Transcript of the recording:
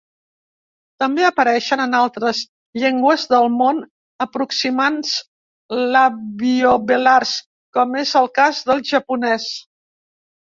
També apareixen en altres llengües del món aproximants labiovelars, com és el cas del japonès.